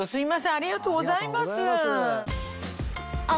ありがとうございます。